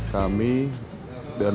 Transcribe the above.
kami dan pemerintahnya